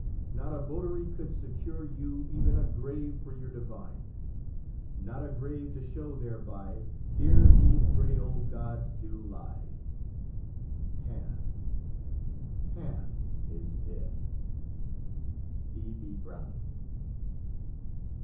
Not a votary could secure you Even a grave for your Divine! Not a grave to show thereby, 'Here these grey old gods do lie,' Pan, Pan is dead." E. B. Browning.